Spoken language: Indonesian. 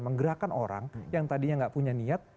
menggerakkan orang yang tadinya nggak punya niat